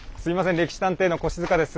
「歴史探偵」の越塚です。